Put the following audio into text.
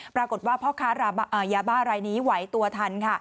ปรากฏว่าพ่อค้ายาบ้ารายนี้ไหวตัวทันค่ะ